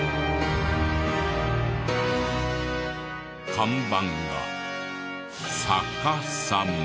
看板が逆さま。